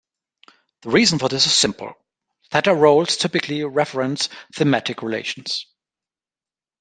The reason for this is simple: theta roles typically reference thematic relations.